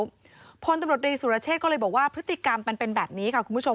ตำรวจพลตำรวจรีสุรเชษก็เลยบอกว่าพฤติกรรมมันเป็นแบบนี้ค่ะคุณผู้ชม